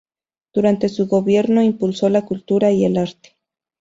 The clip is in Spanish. Durante su gobierno impulsó la Cultura y el Arte.